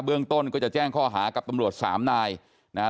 ต้นก็จะแจ้งข้อหากับตำรวจสามนายนะฮะ